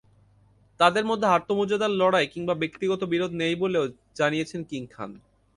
তাঁদের মধ্যে আত্মমর্যাদার লড়াই কিংবা ব্যক্তিগত বিরোধ নেই বলেও জানিয়েছেন কিং খান।